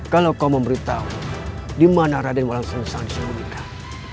kalau kau memberitahu di mana raden walang sosa disembunyikan